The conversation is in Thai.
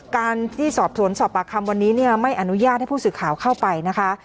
การที่สอบสวนสอบปากคำวันนี้เนี่ยไม่อนุญาตให้ผู้สื่อข่าวเข้าไปนะคะ